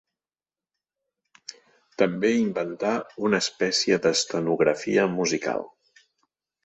També inventà una espècie d'estenografia musical.